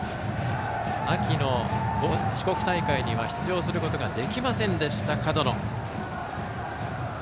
秋の四国大会には出場することができませんでした、門野。